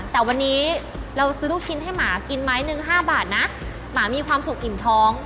แต่วันนี้เราซื้อลูกชิ้นให้หมากินไม้หนึ่งห้าบาทนะหมามีความสุขอิ่มท้อง